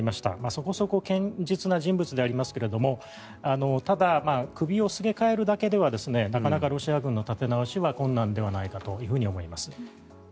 そこそこ堅実な人物でありますけどもただ、首をすげ替えるだけではなかなかロシア軍の立て直しは困難ではないかと思います。